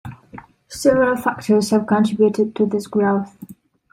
Several factors have contributed to this growth.